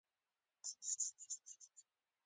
په اوږده سفر خوځېږئ، خوراکي توکو ذخیره خلاصه کېږي.